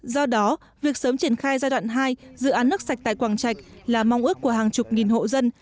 do đó việc sớm triển khai giai đoạn hai dự án nước sạch tại quảng trạch là mong ước của hàng chục nghìn hộ dân